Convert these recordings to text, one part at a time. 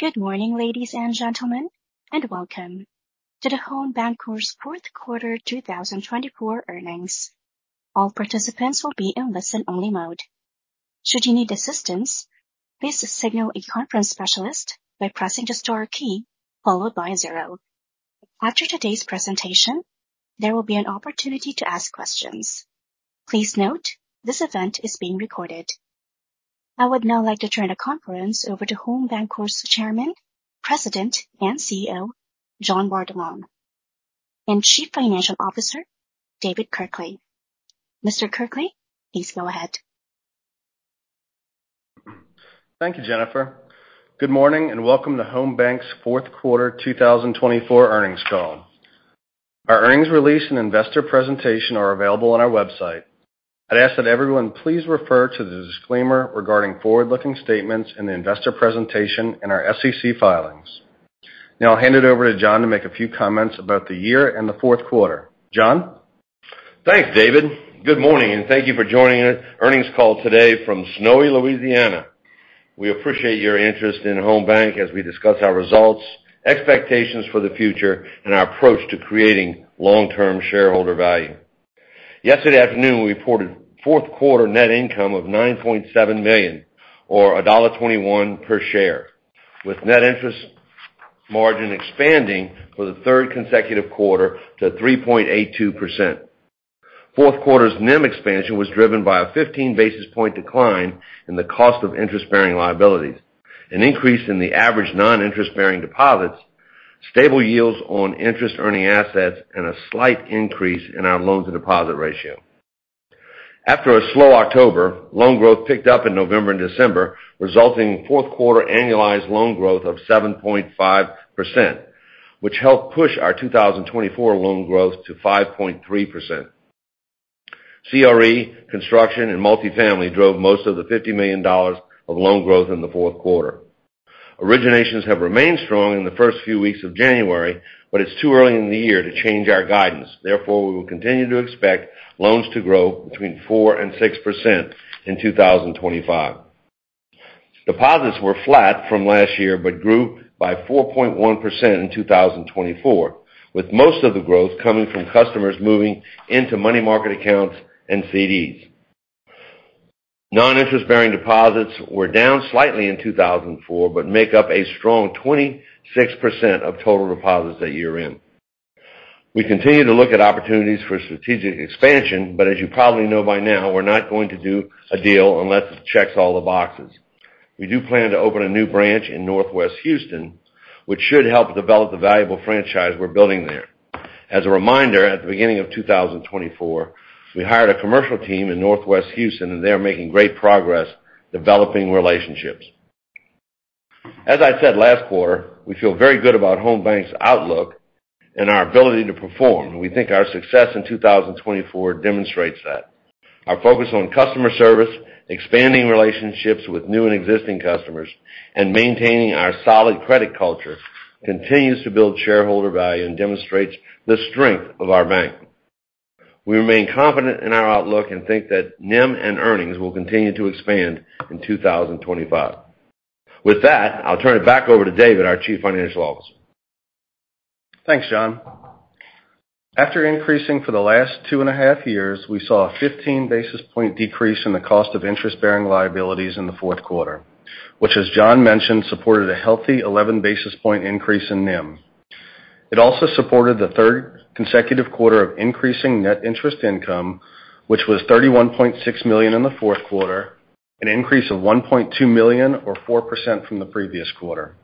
Good morning, ladies and gentlemen, and welcome to the Home Bancorp's Q4 2024 earnings. All participants will be in listen-only mode. Should you need assistance, please signal a conference specialist by pressing the star key followed by a zero. After today's presentation, there will be an opportunity to ask questions. Please note this event is being recorded. I would now like to turn the conference over to Home Bancorp's Chairman, President, and CEO, John Bordelon, and Chief Financial Officer, David Kirkley. Mr. Kirkley, please go ahead. Thank you, Jennifer. Good morning and welcome to Home Bank's Q4 2024 earnings call. Our earnings release and investor presentation are available on our website. I'd ask that everyone please refer to the disclaimer regarding forward-looking statements in the investor presentation and our SEC filings. Now I'll hand it over to John to make a few comments about the year and the Q4. John? Thanks, David. Good morning and thank you for joining the earnings call today from sunny Louisiana. We appreciate your interest in Home Bank as we discuss our results, expectations for the future, and our approach to creating long-term shareholder value. Yesterday afternoon, we reported Q4 net income of $9.7 million, or $1.21 per share, with net interest margin expanding for the third consecutive quarter to 3.82%. Q4's NIM expansion was driven by a 15 basis point decline in the cost of interest-bearing liabilities, an increase in the average non-interest-bearing deposits, stable yields on interest-earning assets, and a slight increase in our loan-to-deposit ratio. After a slow October, loan growth picked up in November and December, resulting in Q4 annualized loan growth of 7.5%, which helped push our 2024 loan growth to 5.3%. CRE, construction, and multifamily drove most of the $50 million of loan growth in the Q4. Originations have remained strong in the first few weeks of January, but it's too early in the year to change our guidance. Therefore, we will continue to expect loans to grow between 4% and 6% in 2025. Deposits were flat from last year but grew by 4.1% in 2024, with most of the growth coming from customers moving into money market accounts and CDs. Non-interest-bearing deposits were down slightly in 2024 but make up a strong 26% of total deposits at year-end. We continue to look at opportunities for strategic expansion, but as you probably know by now, we're not going to do a deal unless it checks all the boxes. We do plan to open a new branch in Northwest Houston, which should help develop the valuable franchise we're building there. As a reminder, at the beginning of 2024, we hired a commercial team in Northwest Houston, and they are making great progress developing relationships. As I said last quarter, we feel very good about Home Bank's outlook and our ability to perform, and we think our success in 2024 demonstrates that. Our focus on customer service, expanding relationships with new and existing customers, and maintaining our solid credit culture continues to build shareholder value and demonstrates the strength of our bank. We remain confident in our outlook and think that NIM and earnings will continue to expand in 2025. With that, I'll turn it back over to David, our Chief Financial Officer. Thanks, John. After increasing for the last two and a half years, we saw a 15 basis points decrease in the cost of interest-bearing liabilities in the Q4, which, as John mentioned, supported a healthy 11 basis points increase in NIM. It also supported the third consecutive quarter of increasing net interest income, which was $31.6 million in the Q4, an increase of $1.2 million, or 4% from the previous quarter.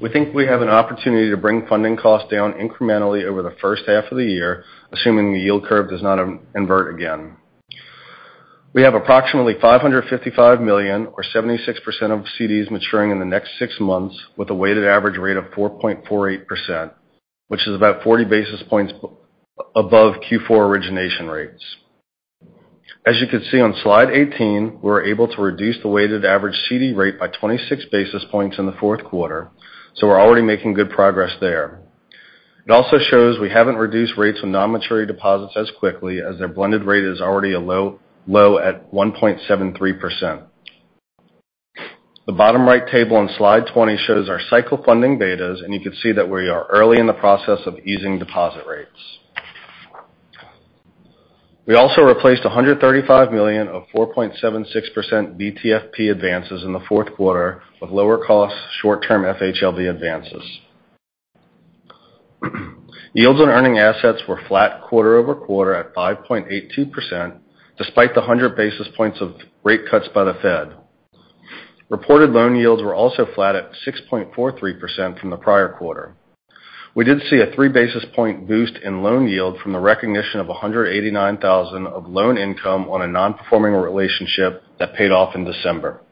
We think we have an opportunity to bring funding costs down incrementally over the first half of the year, assuming the yield curve does not invert again. We have approximately $555 million, or 76% of CDs, maturing in the next six months with a weighted average rate of 4.48%, which is about 40 basis points above Q4 origination rates. As you can see on slide 18, we were able to reduce the weighted average CD rate by 26 basis points in the Q4, so we're already making good progress there. It also shows we haven't reduced rates on non-maturity deposits as quickly, as their blended rate is already low at 1.73%. The bottom right table on slide 20 shows our cycle funding betas, and you can see that we are early in the process of easing deposit rates. We also replaced $135 million of 4.76% BTFP advances in the Q4 with lower-cost short-term FHLB advances. Yields on earning assets were flat quarter over quarter at 5.82%, despite the 100 basis points of rate cuts by the Fed. Reported loan yields were also flat at 6.43% from the prior quarter. We did see a 3 basis point boost in loan yield from the recognition of $189,000 of loan income on a non-performing relationship that paid off in December.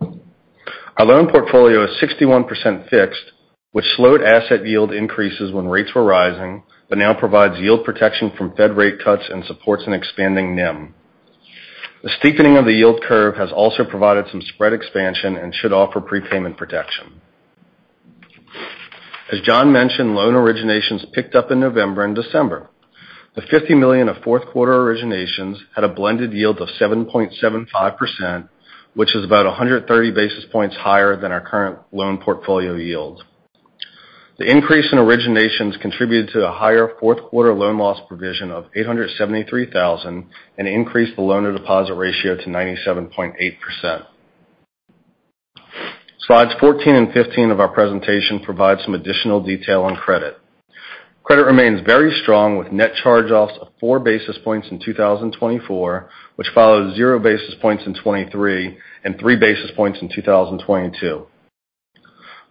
Our loan portfolio is 61% fixed, which slowed asset yield increases when rates were rising, but now provides yield protection from Fed rate cuts and supports an expanding NIM. The steepening of the yield curve has also provided some spread expansion and should offer prepayment protection. As John mentioned, loan originations picked up in November and December. The $50 million of Q4 originations had a blended yield of 7.75%, which is about 130 basis points higher than our current loan portfolio yield. The increase in originations contributed to a higher Q4 loan loss provision of $873,000 and increased the loan-to-deposit ratio to 97.8%. Slides 14 and 15 of our presentation provide some additional detail on credit. Credit remains very strong with net charge-offs of four basis points in 2024, which followed 0 basis points in 2023 and three basis points in 2022.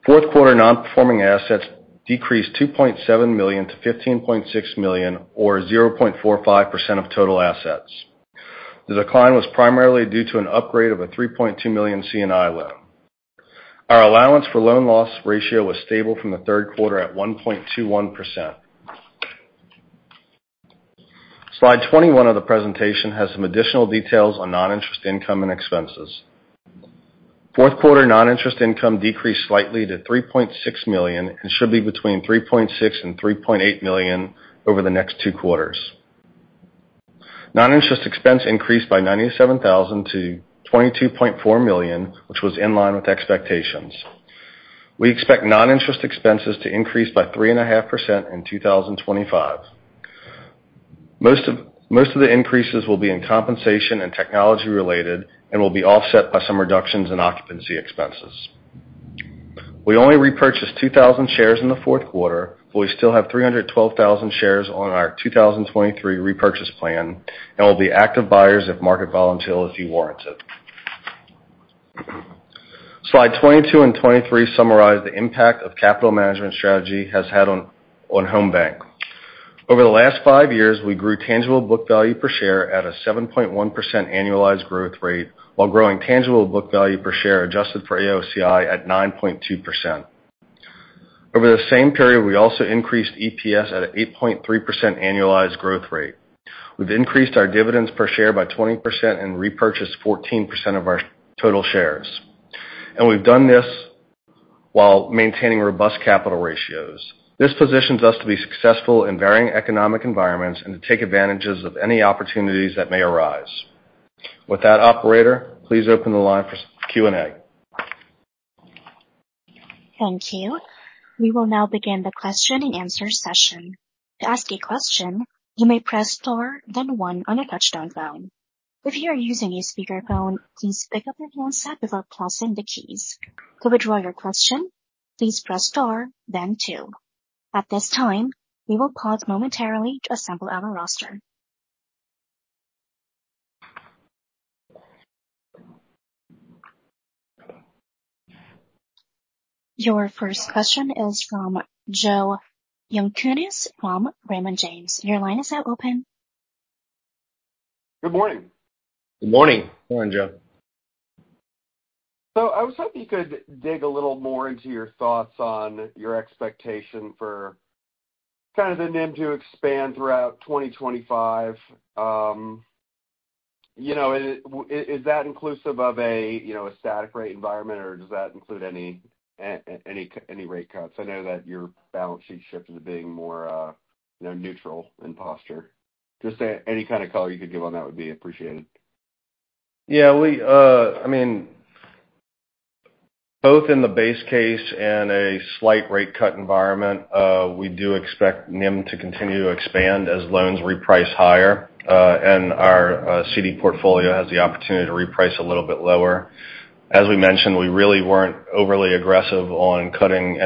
Q4 nonperforming assets decreased $2.7 million to $15.6 million, or 0.45% of total assets. The decline was primarily due to an upgrade of a $3.2 million C&I loan. Our allowance for loan losses ratio was stable from the Q3 at 1.21%. Slide 21 of the presentation has some additional details on noninterest income and expenses. Q4 noninterest income decreased slightly to $3.6 million and should be between $3.6 and $3.8 million over the next two quarters. Noninterest expense increased by $97,000 to $22.4 million, which was in line with expectations. We expect noninterest expenses to increase by 3.5% in 2025. Most of the increases will be in compensation and technology-related and will be offset by some reductions in occupancy expenses. We only repurchased 2,000 shares in the Q4, but we still have 312,000 shares on our 2023 repurchase plan and will be active buyers if market volatility warrants it. Slide 22 and 23 summarize the impact a capital management strategy has had on Home Bank. Over the last five years, we grew tangible book value per share at a 7.1% annualized growth rate, while growing tangible book value per share adjusted for AOCI at 9.2%. Over the same period, we also increased EPS at an 8.3% annualized growth rate. We've increased our dividends per share by 20% and repurchased 14% of our total shares. We've done this while maintaining robust capital ratios. This positions us to be successful in varying economic environments and to take advantages of any opportunities that may arise. With that, Operator, please open the line for Q&A. Thank you. We will now begin the question-and-answer session. To ask a question, you may press star, then one on a touch-tone phone. If you are using a speakerphone, please pick up your handset before pressing the keys. To withdraw your question, please press star, then two. At this time, we will pause momentarily to assemble our roster. Your first question is from Joe Yanchunis from Raymond James. Your line is now open. Good morning. Good morning. Morning, Joe. So I was hoping you could dig a little more into your thoughts on your expectation for kind of the NIM to expand throughout 2025. Is that inclusive of a static rate environment, or does that include any rate cuts? I know that your balance sheet shifted to being more neutral in posture. Just any kind of color you could give on that would be appreciated. Yeah. I mean, both in the base case and a slight rate cut environment, we do expect NIM to continue to expand as loans reprice higher, and our CD portfolio has the opportunity to reprice a little bit lower. As we mentioned, we really weren't overly aggressive on cutting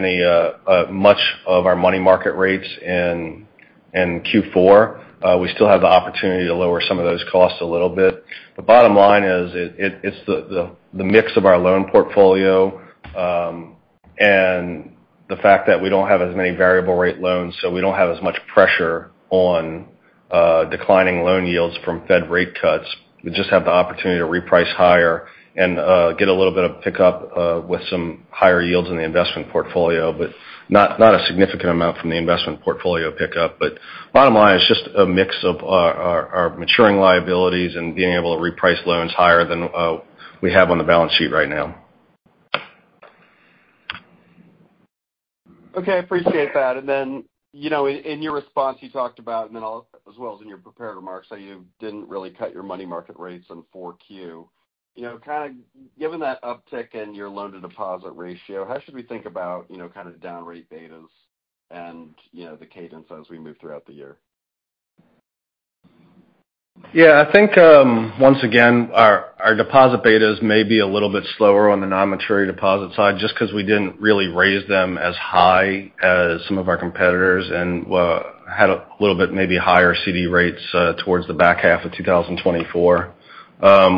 much of our money market rates in Q4. We still have the opportunity to lower some of those costs a little bit. The bottom line is it's the mix of our loan portfolio and the fact that we don't have as many variable-rate loans, so we don't have as much pressure on declining loan yields from Fed rate cuts. We just have the opportunity to reprice higher and get a little bit of pickup with some higher yields in the investment portfolio, but not a significant amount from the investment portfolio pickup. Bottom line, it's just a mix of our maturing liabilities and being able to reprice loans higher than we have on the balance sheet right now. Okay. I appreciate that. And then in your response, you talked about, as well as in your prepared remarks, that you didn't really cut your money market rates in 4Q. Kind of given that uptick in your loan-to-deposit ratio, how should we think about kind of down-rate betas and the cadence as we move throughout the year? Yeah. I think, once again, our deposit betas may be a little bit slower on the non-maturity deposit side just because we didn't really raise them as high as some of our competitors and had a little bit maybe higher CD rates towards the back half of 2024.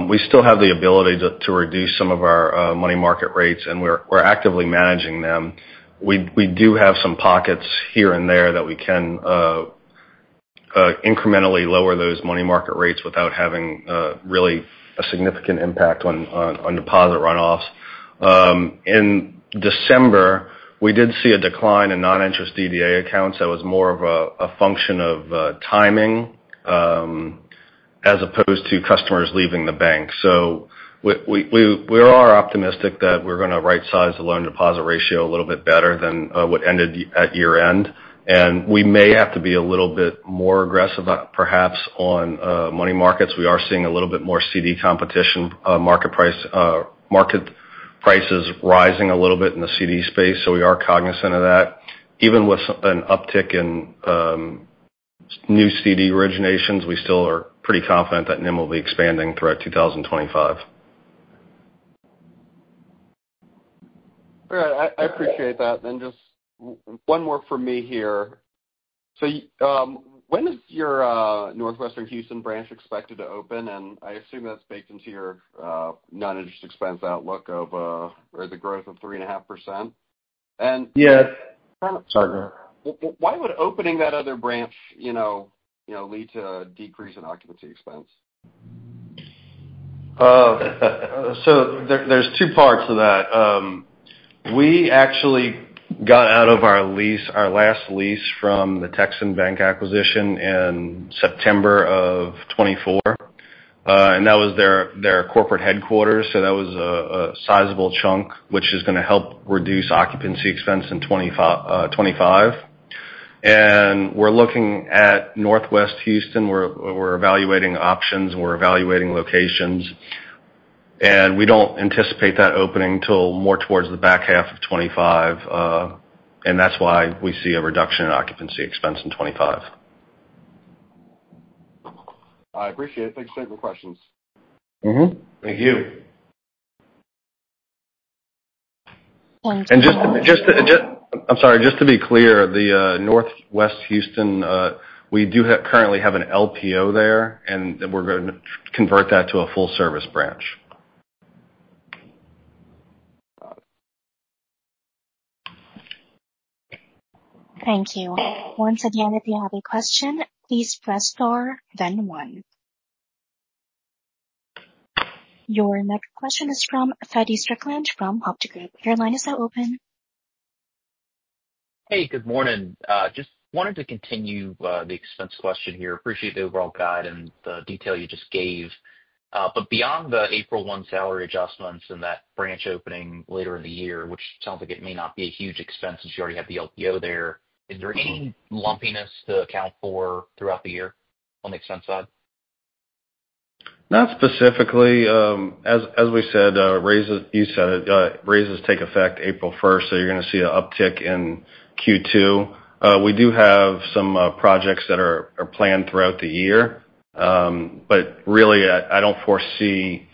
We still have the ability to reduce some of our money market rates, and we're actively managing them. We do have some pockets here and there that we can incrementally lower those money market rates without having really a significant impact on deposit runoffs. In December, we did see a decline in non-interest DDA accounts. That was more of a function of timing as opposed to customers leaving the bank. So we are optimistic that we're going to right-size the loan-to-deposit ratio a little bit better than what ended at year-end. And we may have to be a little bit more aggressive, perhaps, on money markets. We are seeing a little bit more CD competition, market prices rising a little bit in the CD space, so we are cognizant of that. Even with an uptick in new CD originations, we still are pretty confident that NIM will be expanding throughout 2025. All right. I appreciate that. And just one more for me here. So when is your Northwest Houston branch expected to open? And I assume that's baked into your noninterest expense outlook of the growth of 3.5%. And. Yes. Sorry. Why would opening that other branch lead to a decrease in occupancy expense? So there's two parts to that. We actually got out of our last lease from the Texan Bank acquisition in September of 2024, and that was their corporate headquarters. So that was a sizable chunk, which is going to help reduce occupancy expense in 2025. And we're looking at Northwest Houston. We're evaluating options. We're evaluating locations. And we don't anticipate that opening until more towards the back half of 2025. And that's why we see a reduction in occupancy expense in 2025. I appreciate it. Thanks for taking my questions. Thank you. Thank you. And just to. I'm sorry. Just to be clear, the Northwest Houston, we do currently have an LPO there, and we're going to convert that to a full-service branch. Thank you. Once again, if you have a question, please press star, then one. Your next question is from Feddie Strickland from Janney Montgomery Scott. Your line is now open. Hey, good morning. Just wanted to continue the expense question here. Appreciate the overall guide and the detail you just gave. But beyond the April 1 salary adjustments and that branch opening later in the year, which sounds like it may not be a huge expense since you already have the LPO there, is there any lumpiness to account for throughout the year on the expense side? Not specifically. As we said, raises take effect April 1st, so you're going to see an uptick in Q2. We do have some projects that are planned throughout the year, but really, I don't foresee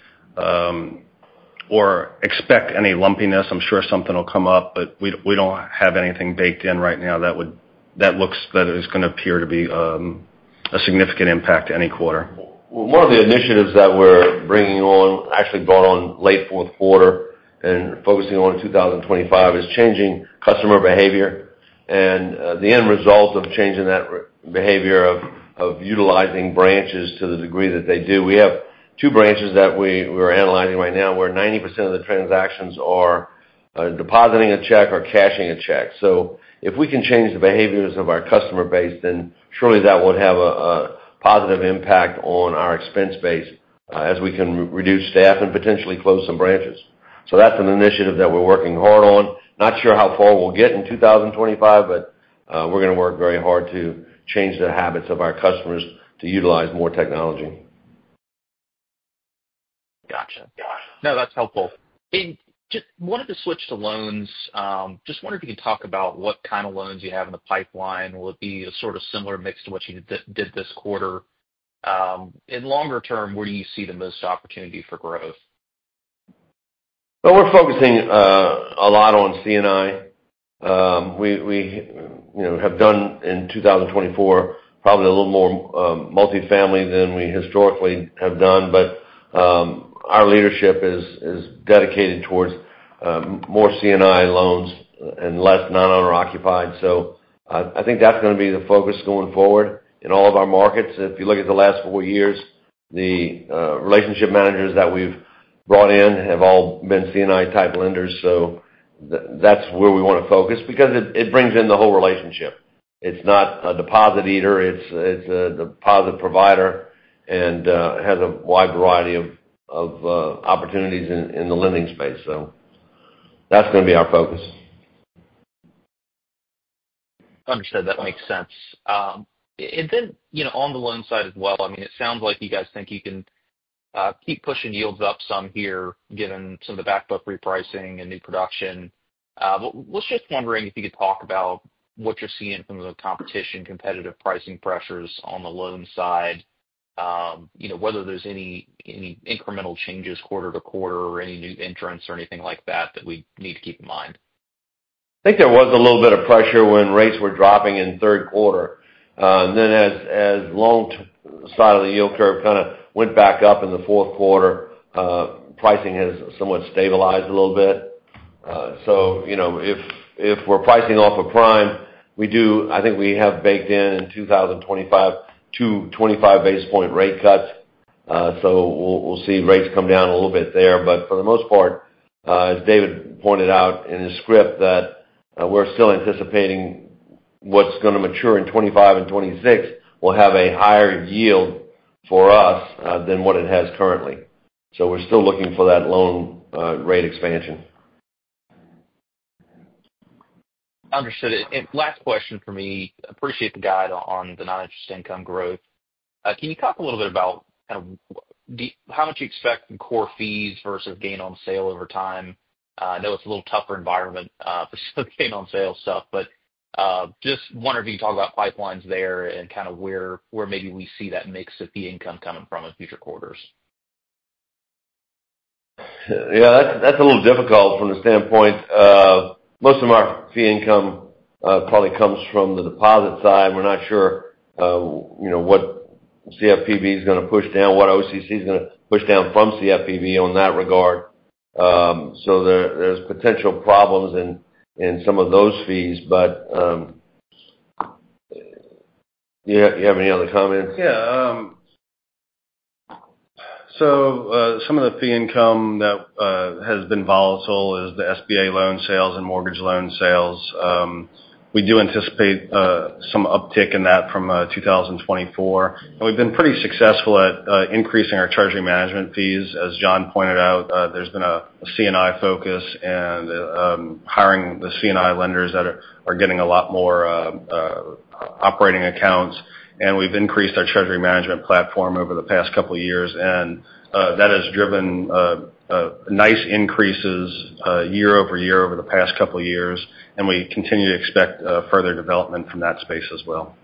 or expect any lumpiness. I'm sure something will come up, but we don't have anything baked in right now that looks that is going to appear to be a significant impact any quarter. One of the initiatives that we're bringing on, actually brought on late Q4 and focusing on in 2025, is changing customer behavior. And the end result of changing that behavior of utilizing branches to the degree that they do, we have two branches that we're analyzing right now where 90% of the transactions are depositing a check or cashing a check. So if we can change the behaviors of our customer base, then surely that would have a positive impact on our expense base as we can reduce staff and potentially close some branches. So that's an initiative that we're working hard on. Not sure how far we'll get in 2025, but we're going to work very hard to change the habits of our customers to utilize more technology. Gotcha. No, that's helpful. I wanted to switch to loans. Just wonder if you can talk about what kind of loans you have in the pipeline? Will it be a sort of similar mix to what you did this quarter? In longer term, where do you see the most opportunity for growth? We're focusing a lot on C&I. We have done in 2024 probably a little more multifamily than we historically have done, but our leadership is dedicated towards more C&I loans and less non-owner-occupied. I think that's going to be the focus going forward in all of our markets. If you look at the last four years, the relationship managers that we've brought in have all been C&I-type lenders. That's where we want to focus because it brings in the whole relationship. It's not a deposit eater. It's a deposit provider and has a wide variety of opportunities in the lending space. That's going to be our focus. Understood. That makes sense. And then on the loan side as well, I mean, it sounds like you guys think you can keep pushing yields up some here given some of the backbook repricing and new production. But was just wondering if you could talk about what you're seeing from the competition, competitive pricing pressures on the loan side, whether there's any incremental changes quarter to quarter or any new entrants or anything like that that we need to keep in mind. I think there was a little bit of pressure when rates were dropping in Q3. And then as long side of the yield curve kind of went back up in the Q4, pricing has somewhat stabilized a little bit. So if we're pricing off of Prime, we do, I think we have baked in 2025, two 25 basis point rate cuts. So we'll see rates come down a little bit there. But for the most part, as David pointed out in his script, that we're still anticipating what's going to mature in 2025 and 2026 will have a higher yield for us than what it has currently. So we're still looking for that loan rate expansion. Understood. Last question for me. Appreciate the guide on the non-interest income growth. Can you talk a little bit about kind of how much you expect in core fees versus gain on sale over time? I know it's a little tougher environment for some gain on sale stuff, but just wondering if you can talk about pipelines there and kind of where maybe we see that mix of fee income coming from in future quarters. Yeah. That's a little difficult from the standpoint of most of our fee income probably comes from the deposit side. We're not sure what CFPB is going to push down, what OCC is going to push down from CFPB on that regard. So there's potential problems in some of those fees. But do you have any other comments? Yeah. So some of the fee income that has been volatile is the SBA loan sales and mortgage loan sales. We do anticipate some uptick in that from 2024. And we've been pretty successful at increasing our treasury management fees. As John pointed out, there's been a C&I focus and hiring the C&I lenders that are getting a lot more operating accounts. And we've increased our treasury management platform over the past couple of years. And that has driven nice increases year over year over the past couple of years. And we continue to expect further development from that space as well.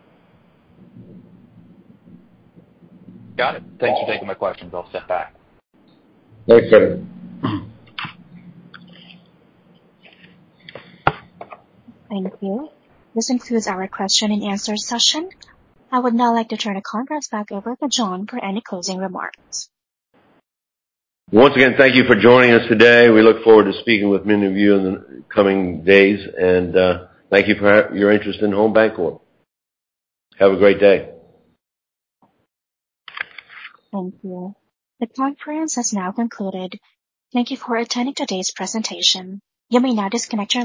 Got it. Thanks for taking my questions. I'll step back. Thanks, Feddie. Thank you. This concludes our question and answer session. I would now like to turn the conference back over to John for any closing remarks. Once again, thank you for joining us today. We look forward to speaking with many of you in the coming days. Thank you for your interest in Home Bancorp. Have a great day. Thank you. The conference has now concluded. Thank you for attending today's presentation. You may now disconnect from.